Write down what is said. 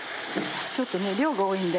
ちょっと量が多いんで。